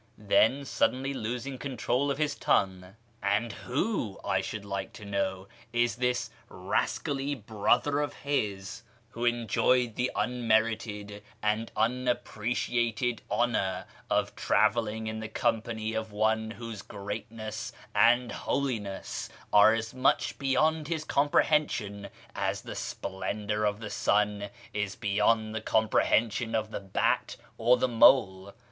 Then, suddenly losing control of his tongue, " And who, I should like to know, is this rascally brother of his who enjoyed the unmerited and 512 A YEAR AMONGST THE PERSIANS imappveciateil hoiionr of travelling in the coni))any of one whoso greatness and lioliness are as much beyond his coni preliension as the splendour of the sun is beyond the com prehension of the bat or the mole?